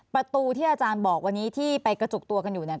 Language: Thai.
ประตูที่อาจารย์บอกวันนี้ที่ไปกระจุกตัวกันอยู่เนี่ย